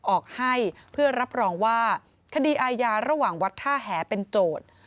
ออกให้เพื่อรับรองว่าคดีอาญาระหว่างวัดท่าแหเป็นโจทย์